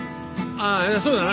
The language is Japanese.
ああそうだな。